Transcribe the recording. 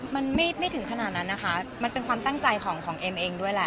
มันไม่ถึงขนาดนั้นนะคะมันเป็นความตั้งใจของเอ็มเองด้วยแหละ